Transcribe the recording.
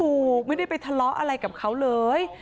ถูกไม่ได้ไปทะเลาะอะไรกับเขาเลย